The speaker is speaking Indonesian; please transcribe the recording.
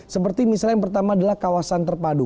seperti misalnya yang pertama adalah kawasan terpadu